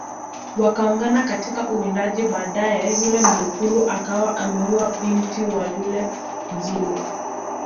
Wakaungana katika uwindaji baadae yule mlugulu akawa amemuoa binti wa yule mzulu